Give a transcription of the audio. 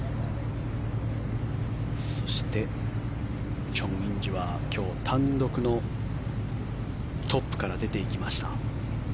そして、チョン・インジは今日単独のトップから出ていきました。